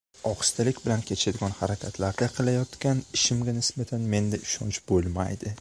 Ohistalik bilan kechadigan harakatlarda qilayotgan ishimga nisbatan menda ishonch bo‘lmaydi.